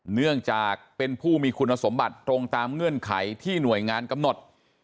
เนื่องจากเป็นผู้มีคุณสมบัติตรงตามเงื่อนไขที่หน่วยงานกำหนด